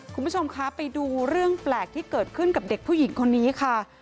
คุณผู้ชมคะไปดูเรื่องแปลกที่เกิดขึ้นกับเด็กผู้หญิงคนนี้ค่ะ